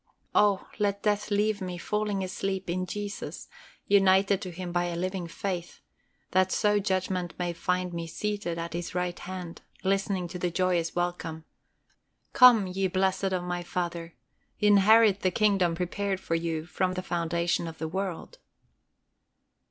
Oh let death leave me falling asleep in Jesus, united to Him by a living faith, that so judgment may find me seated at His right hand, listening to the joyous welcome, "Come, ye blessed of my Father, inherit the kingdom prepared for you from the foundation of the world."